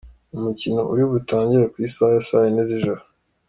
Umukino uri butangire ku isaha ya sa yine z’ijoro.